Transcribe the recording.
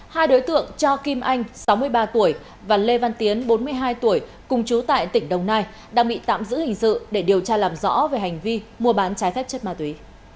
hai đối tượng cho kim anh sáu mươi ba tuổi và lê văn tiến bốn mươi hai tuổi cùng chú tại tỉnh đồng nai đang bị tạm giữ hình sự để điều tra làm rõ về hành vi mua bán trái phép chất ma túy